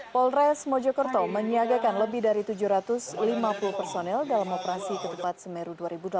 polres mojokerto menyiagakan lebih dari tujuh ratus lima puluh personel dalam operasi ketupat semeru dua ribu delapan belas